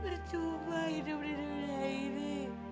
percuma hidup di dunia ini